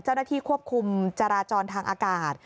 เจ้าหน้าที่ควบคุมจราจรทางอากาศ